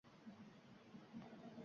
Men berkinaman siz topasiz, maylimi